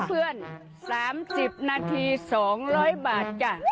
เพื่อน๓๐นาที๒๐๐บาทจ้ะ